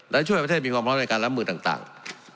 และช่วยประเทศมีความพร้อมในการรับมือต่าง